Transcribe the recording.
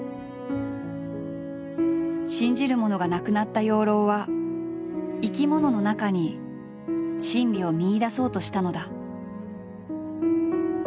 信じるものがなくなった養老は生き物の中に真理を見いだそうとしたのだ。